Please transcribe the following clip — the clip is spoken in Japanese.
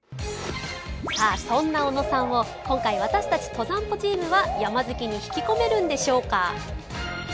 さあそんな小野さんを今回私たち登山歩チームは山好きに引き込めるんでしょうか？